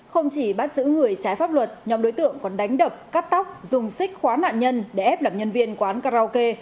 không chỉ bắt giữ người trái pháp luật nhóm đối tượng còn đánh đập cắt tóc dùng xích khóa nạn nhân để ép làm nhân viên quán karaoke